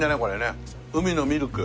海のミルク。